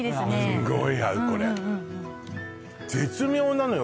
すごい合うこれ絶妙なのよ